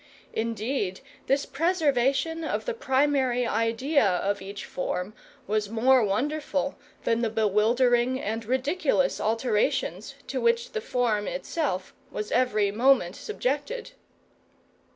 Indeed this preservation of the primary idea of each form was more wonderful than the bewildering and ridiculous alterations to which the form itself was every moment subjected.